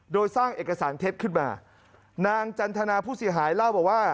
โดยสร้างเอกสารเท็จขึ้นมานางจันทนาผู้เสียหายเล่าบอกว่า